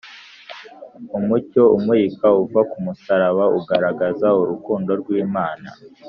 . Umucyo umurika uva ku musaraba ugaragaza urukundo rw’Imana